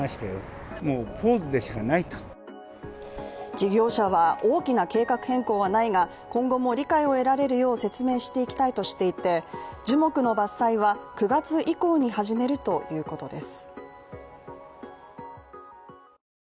事業者は、大きな計画変更はないが今後も理解を得られるよう説明していきたいとしていて樹木の伐採は９月以降に始めるということです。